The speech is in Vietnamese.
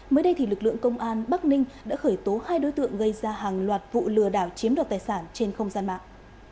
mới đây thì lực lượng công an bắc ninh đã khởi tố hai đối tượng gây ra hàng loạt vụ lừa đảo chiếm đoạt tài sản trên không gian mạng